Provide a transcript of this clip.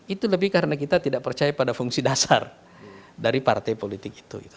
itu lebih karena kita tidak percaya pada fungsi dasar dari partai politik itu